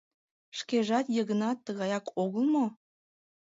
Шкежат, Йыгнат, тыгаяк огыл мо?